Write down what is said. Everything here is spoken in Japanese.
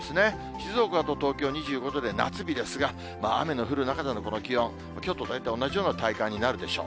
静岡と東京２５度で夏日ですが、まあ、雨の降る中でのこの気温、きょうと同じような大体体感になるでしょう。